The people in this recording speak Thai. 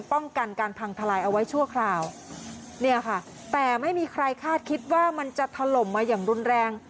ป้องกันการพังทลายเอาไว้ชั่วคราวเนี่ยค่ะแต่ไม่มีใครคาดคิดว่ามันจะถล่มมาอย่างรุนแรง